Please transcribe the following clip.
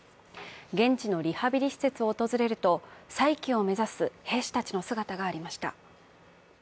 現地のリハビリ施設を訪れると、再起を目指す兵士たちの姿がありました。